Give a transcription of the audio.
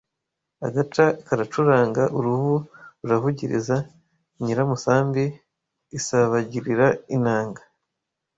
agaca karacuranga uruvu ruravugiriza Nyiramusambi isabagirira inanga